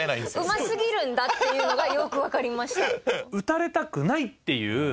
うますぎるんだっていうのがよくわかりました。